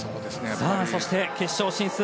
そして決勝進出